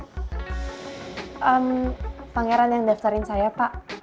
pangeran yang daftarin saya pak